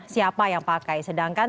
siapa yang pakai sedangkan